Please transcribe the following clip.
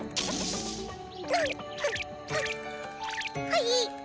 はい。